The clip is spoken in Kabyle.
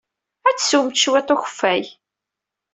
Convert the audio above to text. Ad teswemt cwiṭ n ukeffay.